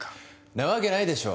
なわけないでしょ